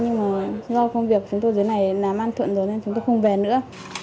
nhưng mà do công việc chúng tôi dưới này làm an thuận rồi nên chúng tôi không về nữa